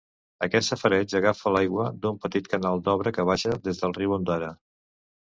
Aquest safareig agafa l’aigua d’un petit canal d’obra que baixa des del riu Ondara.